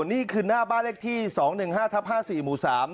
นี่คือหน้าบ้านเลขที่๒๑๕ทับ๕๔หมู่๓